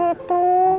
ketepan itu aku